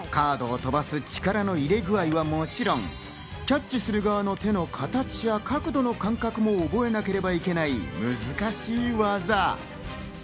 カードを飛ばす力の入れ具合はもちろん、キャッチする側の手の形や角度の感覚も覚えなければいけない難しい技。